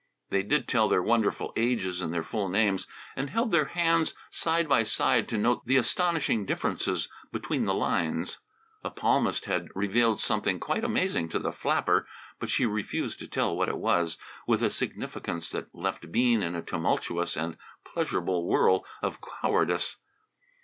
They did tell their wonderful ages and their full names and held their hands side by side to note the astonishing differences between the "lines." A palmist had revealed something quite amazing to the flapper, but she refused to tell what it was, with a significance that left Bean in a tumultuous and pleasurable whirl of cowardice.